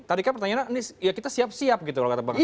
tadi kan pertanyaannya ya kita siap siap gitu kalau kata bang anies